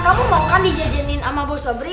kamu mau kan dijajanin sama bu sobri